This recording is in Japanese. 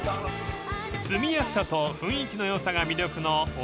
［住みやすさと雰囲気のよさが魅力の大宮］